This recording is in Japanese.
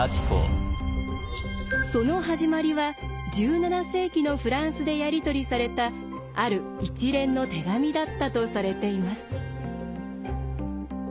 その始まりは１７世紀のフランスでやり取りされたある一連の手紙だったとされています。